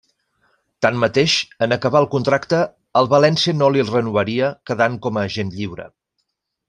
Tanmateix, en acabar el contracte el València no li'l renovaria, quedant com a agent lliure.